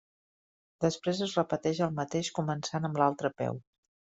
Després es repeteix el mateix començant amb l'altre peu.